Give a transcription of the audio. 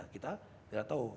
kita tidak tahu